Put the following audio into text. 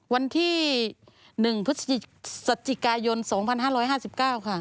วันที่๑พฤศจิกายน๒๕๕๙ค่ะ